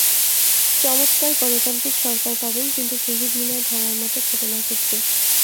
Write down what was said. চমত্কার গণতান্ত্রিক সরকার পাবেন, কিন্তু শহীদ মিনার ভাঙার মতো ঘটনা ঘটবে।